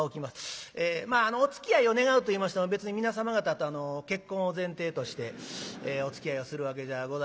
まあ「おつきあいを願う」と言いましても別に皆様方と結婚を前提としておつきあいをするわけじゃございません。